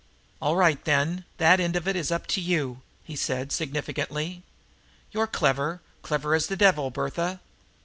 "All right, then; that end of it is up to you," he said significantly. "You're clever, clever as the devil, Bertha.